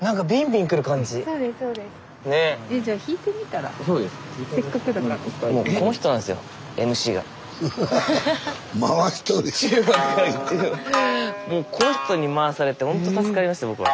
スタジオもうこの人に回されてほんと助かりました僕は。